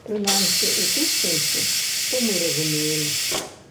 Прынамсі, у тым сэнсе, што мы разумеем.